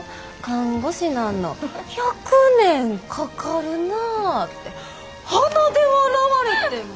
看護師なんの１００年かかるなぁ」て鼻で笑われてん。